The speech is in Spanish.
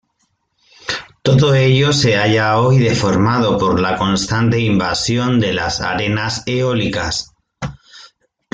Todo ello se halla hoy deformado por la constante invasión de las arenas eólicas.